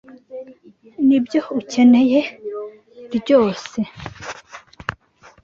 Nibyo ukeneye ryose.